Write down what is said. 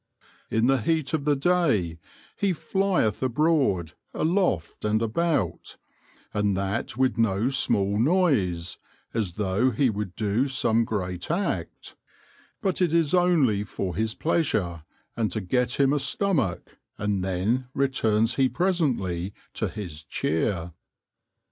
In the heat of the day he nieth abroad, aloft, and about, and that with no small noise, as though he would doe some great act : but it is onely for his pleasure, and to get him a stomach, and then returns he presently to his cheere."